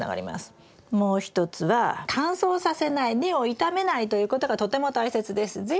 もう一つは乾燥させない根を傷めないということがとても大切です。